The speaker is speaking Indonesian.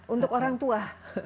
untuk orang tua